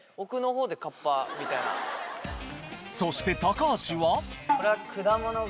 そして橋は？